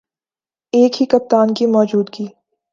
ایک ہی کپتان کی موجودگی